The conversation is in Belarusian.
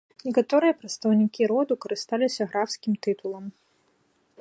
Некаторыя прадстаўнікі роду карысталіся графскім тытулам.